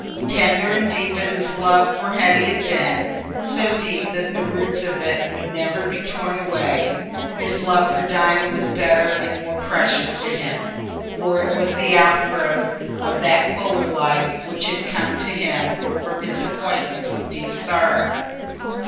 Tender and deep as his love for Hetty had been—so deep that the roots of it would never be torn away—his love for Dinah was better and more precious to him, for it was the outgrowth of that fuller life which had come to him from his acquaintance with deep sorrow.